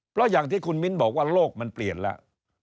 เพราะอย่างที่คุณมิ้นบอกว่าโลกมันเปลี่ยนแล้ว